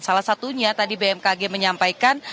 salah satunya tadi bmkg menyampaikan